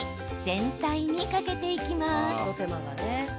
全体にかけていきます。